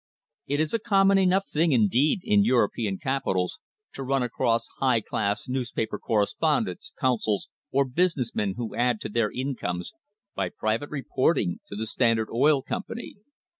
It is a common enough thing, indeed, in European capitals to run across high class newspaper correspondents, consuls, or business men who add to their incomes by private reporting to the Standard Oil Company.